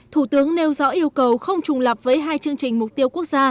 thủ tướng nêu rõ yêu cầu không trùng lập với hai chương trình mục tiêu quốc gia